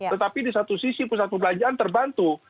tetapi di satu sisi pusat perbelanjaan terbantu